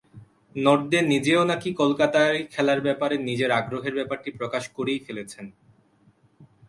নর্দে নিজেও নাকি কলকাতায় খেলার ব্যাপারে নিজের আগ্রহের ব্যাপারটি প্রকাশ করেই ফেলেছেন।